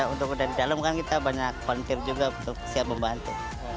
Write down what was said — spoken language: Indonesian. untuk budaya di dalam kita banyak konfirmasi untuk siap membantu